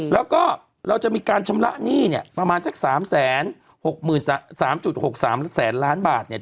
แล้วก็เราจะมีการชำระหนี้เนี่ยประมาณสัก๓๖๓๖๓แสนล้านบาทเนี่ย